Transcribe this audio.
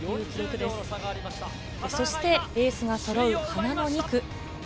そしてエースがそろう花の２区。